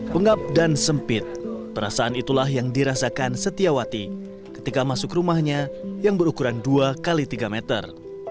pengap dan sempit perasaan itulah yang dirasakan setiawati ketika masuk rumahnya yang berukuran dua x tiga meter